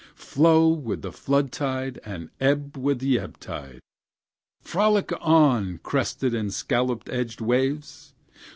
flow with the flood tide, and ebb with the ebb tide! Frolic on, crested and scallop edged waves!